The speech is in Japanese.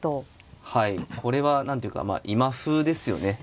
はいこれは何ていうか今風ですよね。